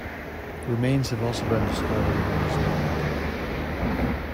Remains have also been discovered in New Zealand.